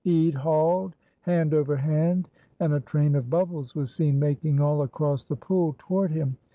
Ede hauled hand over hand, and a train of bubbles was seen making all across the pool toward him.